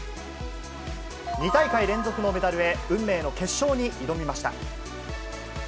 ２大会連続のメダルへ、運命の決勝に挑みました。